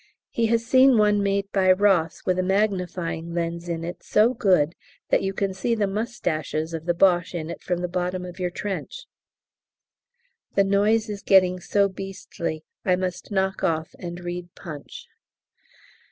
He has seen one made by Ross with a magnifying lens in it so good that you can see the moustaches of the Boches in it from the bottom of your trench. The noise is getting so beastly I must knock off and read 'Punch.'